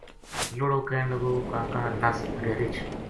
لُڑو کہن لگو کاکا نَس اَگے رِچھ